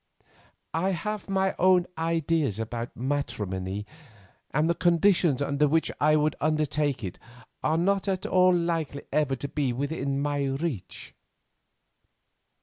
I have my own ideas about matrimony, and the conditions under which I would undertake it are not at all likely ever to be within my reach."